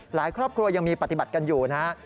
ครอบครัวยังมีปฏิบัติกันอยู่นะฮะ